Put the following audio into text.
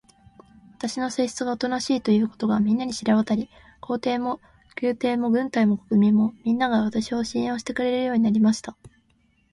私の性質がおとなしいということが、みんなに知れわたり、皇帝も宮廷も軍隊も国民も、みんなが、私を信用してくれるようになりました。